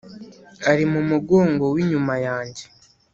ari mumugongo winyuma yanjye,